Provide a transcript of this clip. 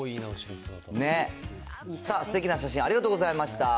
すてきな写真、ありがとうございました。